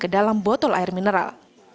keduanya juga menemukan botol air mineral